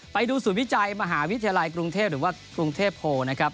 ไปดูศูนย์วิจัยมหาวิทยาลัยกรุงเทพหรือว่ากรุงเทพโพลนะครับ